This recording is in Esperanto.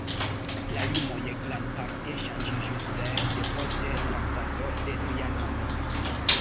La limoj grandparte ŝanĝiĝis depost Traktato de Trianon.